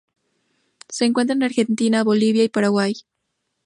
Se encuentra en Argentina, Bolivia, y Paraguay.